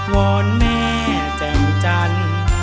วอนแม่แจ่งจันทร์